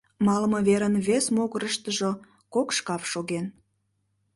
Малыме верын вес могырыштыжо кок шкаф шоген.